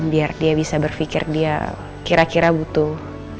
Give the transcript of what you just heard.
biar dia bisa berpikir dia kira kira butuh